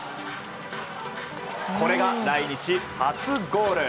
これが来日初ゴール。